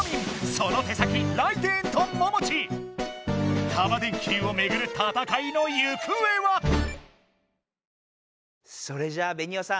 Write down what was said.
その手先タマ電Ｑをめぐる戦いのゆくえは⁉それじゃベニオさん